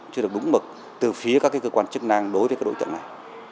chưa được đúng mực từ phía các cái cơ quan chức năng đối với cái đối tượng này